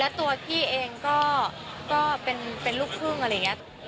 แล้วตัวพี่เองก็เป็นลูกครึ่งอะไรอย่างนี้